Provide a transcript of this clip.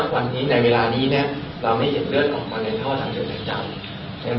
วันนี้ในเวลานี้เราไม่เห็นเลือดออกมาในท่อทางจิตใจ